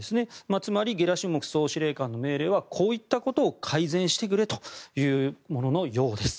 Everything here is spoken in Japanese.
つまりゲラシモフ総司令官の命令はこういったことを改善してくれというもののようです。